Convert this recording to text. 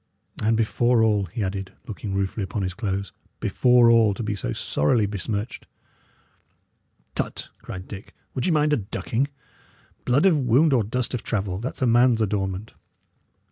And before all," he added, looking ruefully upon his clothes "before all, to be so sorrily besmirched!" "Tut!" cried Dick. "Would ye mind a ducking? Blood of wound or dust of travel that's a man's adornment."